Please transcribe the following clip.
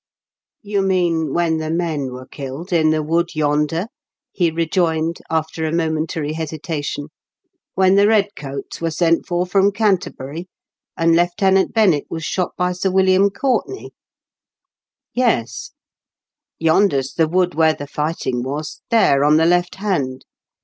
You mean when the men were killed in the wood yonder?" he rejoined, after a momentary hesitation. " When the red coats were sent for from Canterbury, and Lieu^tenant Bennett was shot by Sir William Courtenaj ?"" Yes." A MODERN CADE. 141 '^Yonder's the wood where the fighting was; there, on the left hand.